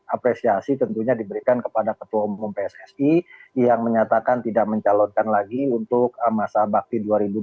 apresiasi tentunya diberikan kepada ketua umum pssi yang menyatakan tidak mencalonkan lagi untuk masa bakti dua ribu dua puluh tiga dua ribu dua puluh tujuh